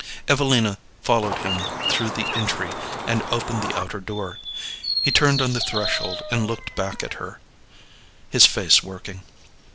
Evelina followed him through the entry and opened the outer door. He turned on the threshold and looked back at her, his face working.